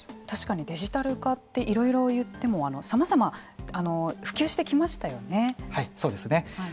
確かにデジタル化といってもいろいろ言ってもさまざま普及してきましたよね。